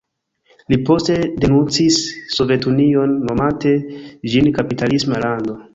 Li poste denuncis Sovetunion nomante ĝin kapitalisma lando.